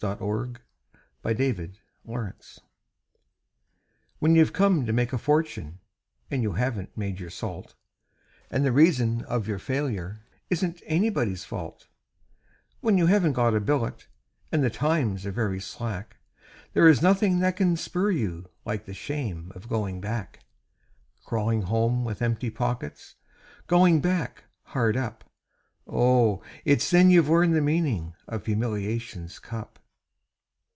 The Shame of Going Back When you've come to make a fortune and you haven't made your salt, And the reason of your failure isn't anybody's fault When you haven't got a billet, and the times are very slack, There is nothing that can spur you like the shame of going back; Crawling home with empty pockets, Going back hard up; Oh! it's then you learn the meaning of humiliation's cup.